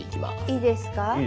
いいですか？